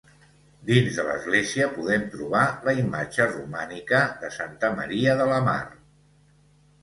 Dins de l'església podem trobar la imatge romànica de Santa Maria de la Mar.